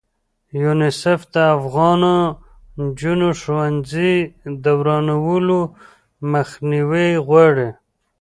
یونیسف د افغانو نجونو ښوونځي د ورانولو مخنیوی غواړي.